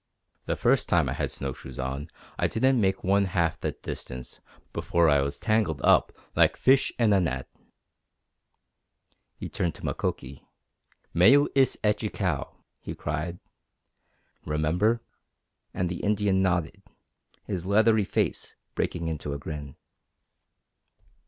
"The first time I had snow shoes on I didn't make one half that distance before I was tangled up like a fish in a net!" He turned to Mukoki. "Mey oo iss e chikao!" he cried. "Remember?" and the Indian nodded, his leathery face breaking into a grin.